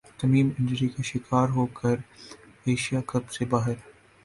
تمیم injury کا شکار ہو کر ایشیا کپ سے باہر